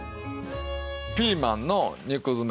ピーマンの肉づめ。